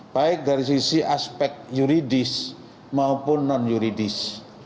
baik dari sisi aspek yuridis maupun non yuridis